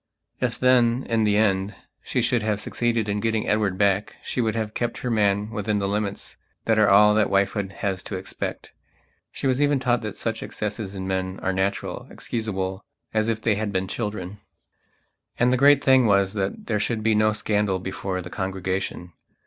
If then, in the end, she should have succeeded in getting Edward back she would have kept her man within the limits that are all that wifehood has to expect. She was even taught that such excesses in men are natural, excusableas if they had been children. And the great thing was that there should be no scandal before the congregation.